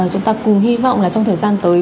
chúng ta cùng hy vọng là trong thời gian tới